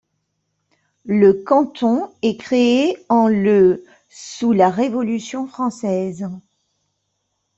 Le canton est créé en le sous la Révolution française.